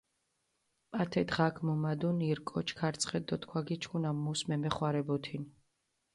ათე დღაქ მუმადუნ ირ კოჩი ქარწყეთ დო თქვა გიჩქუნა, მუს მემეხვარებუთინ.